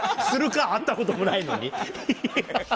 するか、会ったこともないのに。